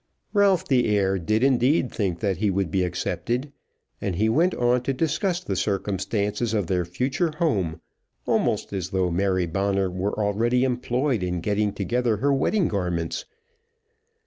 Ralph the heir did indeed think that he would be accepted, and he went on to discuss the circumstances of their future home, almost as though Mary Bonner were already employed in getting together her wedding garments.